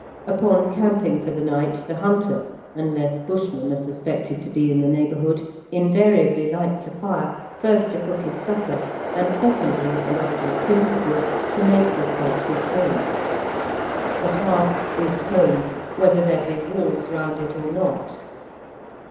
Upon camping for the night the hunter, unless Bushmen are suspected to be in the neighbourhood, invariably lights a fire, first to cook his supper, and secondly, and often principally, to make the spot his home. The hearth is home, whether there be walls round it or not.